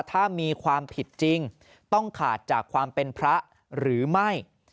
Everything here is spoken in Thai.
ถ้ามีความผิดจริงต้องขาดจากความเป็นพระหรือไม่